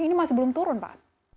ini masih belum turun pak